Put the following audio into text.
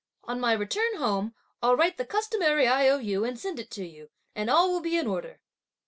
On my return home, I'll write the customary I.O.U., and send it to you, and all will be in order."